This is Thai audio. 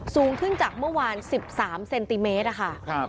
สูงขึ้นจากเมื่อวาน๑๓เซนติเมตรค่ะ